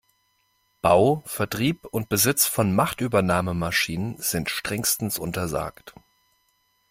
Bau, Vertrieb und Besitz von Machtübernahmemaschinen sind strengstens untersagt.